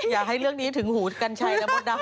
อย่าให้เรื่องนี้ถึงหูกัญชัยแล้วหมดธรรมดา